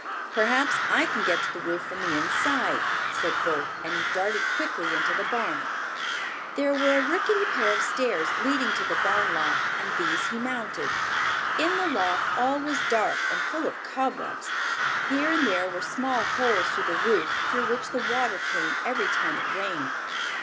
"Perhaps I can get to the roof from the inside," said Bert, and he darted quickly into the barn. There were a rickety pair of stairs leading to the barn loft and these he mounted. In the loft all was dark and full of cobwebs. Here and there were small holes through the roof, through which the water came every time it rained.